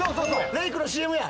レイクのＣＭや。